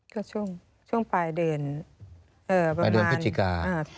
ก็ช่วงปลายเดือนปลายเดือนพฤศจิกา